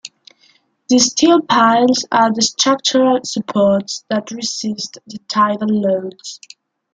The steel piles are the structural supports that resist the tidal loads.